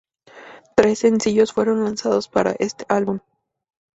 Tres sencillos fueron lanzados para este álbum.